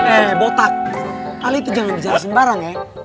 eh botak kali itu jangan berjalan sembarang ya